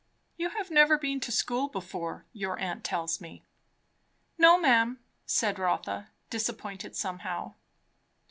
"You have never been to school before, your aunt tells me?" "No, ma'am," said Rotha, disappointed somehow.